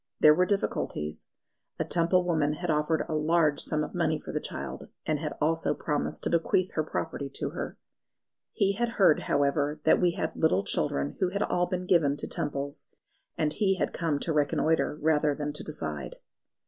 There were difficulties. A Temple woman had offered a large sum for the child, and had also promised to bequeath her property to her. He had heard, however, that we had little children who had all but been given to Temples, and he had come to reconnoitre rather than to decide.